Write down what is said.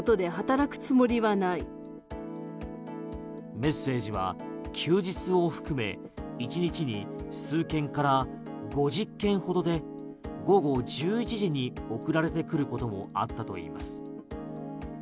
メッセージは休日を含め１日に数件から５０件ほどで午後１１時に送られてくることもあったといいます。